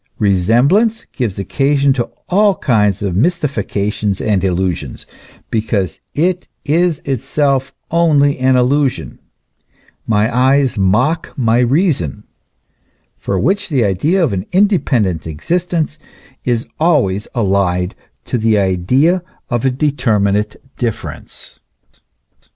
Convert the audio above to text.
Resemblance gives occasion to all kinds of mystifications and illusions, because it is itself only an illusion ; my eyes mock my reason, for which the idea of an independent existence is always allied to the idea of a determi nate difference.